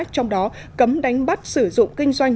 trong đó cấm đánh bắt sử dụng kinh doanh